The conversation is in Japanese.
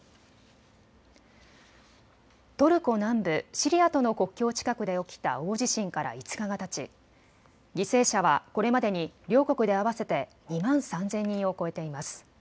トルコ南部、シリアとの国境近くで起きた大地震から５日がたち犠牲者はこれまでに両国で合わせて２万３０００人を超えています。